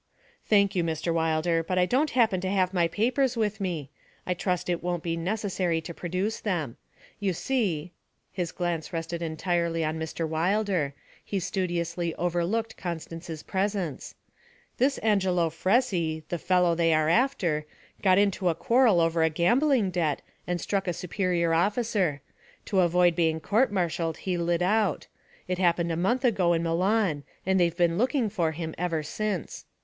'Thank you, Mr. Wilder, but I don't happen to have my papers with me I trust it won't be necessary to produce them. You see' his glance rested entirely on Mr. Wilder; he studiously overlooked Constance's presence 'this Angelo Fresi, the fellow they are after, got into a quarrel over a gambling debt and struck a superior officer. To avoid being court martialled he lit out; it happened a month ago in Milan and they've been looking for him ever since.